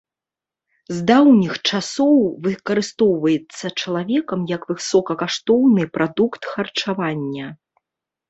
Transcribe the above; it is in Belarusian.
З даўніх часоў выкарыстоўваецца чалавекам як высокакаштоўны прадукт харчавання.